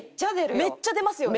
めっちゃ出るよ。